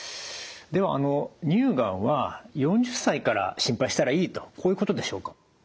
では乳がんは４０歳から心配したらいいとこういうことでしょうか？